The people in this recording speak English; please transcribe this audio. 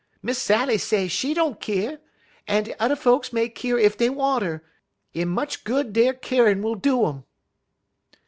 Miss Sally say she don't keer, en t'er folks may keer ef dey wanter, en much good der keerin' 'll do um."